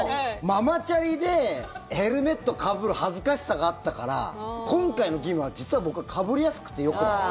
ママチャリでヘルメットかぶる恥ずかしさがあったから、今回の義務は実は、僕はかぶりやすくてよくなった。